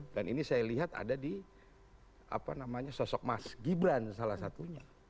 dan ini saya lihat ada di sosok mas gibran salah satunya